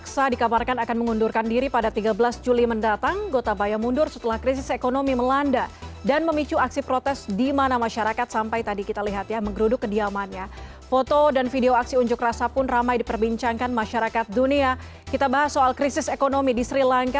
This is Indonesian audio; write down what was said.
sampai jumpa di video selanjutnya